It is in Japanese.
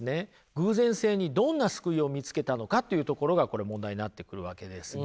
偶然性にどんな救いを見つけたのかというところがこれ問題になってくるわけですが。